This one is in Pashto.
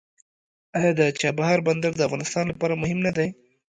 آیا د چابهار بندر د افغانستان لپاره مهم نه دی؟